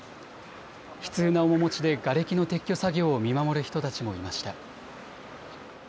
悲痛な面持ちでがれきの撤去作業を見守る人たちもいました。